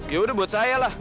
yaudah buat saya lah